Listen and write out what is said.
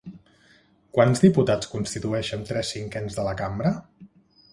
Quants diputats constitueixen tres cinquens de la Cambra?